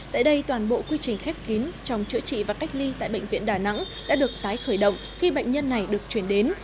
tại đây toàn bộ quy trình khép kín trong chữa trị và cách ly tại bệnh viện đà nẵng đã được tái khởi động khi bệnh nhân này được chuyển đến